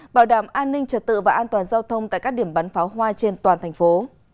bảo đảm an ninh trật tự và an toàn giao thông tại các điểm bắn pháo hoa trên toàn thành phố